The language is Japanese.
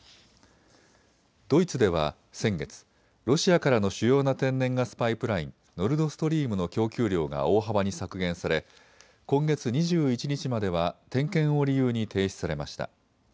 ドイツでは先月、ロシアからの主要な天然ガスパイプライン、ノルドストリームの供給量が大幅に削減され今月２１日までは点検を理由に停止されました。